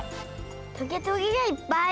トゲトゲがいっぱい。